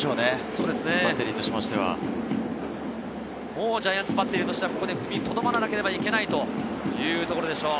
もうジャイアンツバッテリーとしてはここで踏みとどまなければいけないというところでしょう。